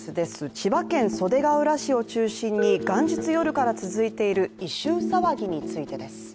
千葉県袖ケ浦市を中心に元日夜から続いている異臭騒ぎについてです。